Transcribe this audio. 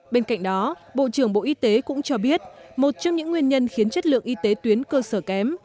bên cạnh đó bộ trưởng bộ y tế cũng cho biết một trong những nguyên nhân khiến chất lượng y tế tuyến cơ sở kém